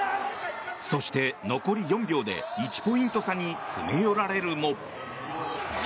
そして、残り４秒で１ポイント差に詰め寄られるも。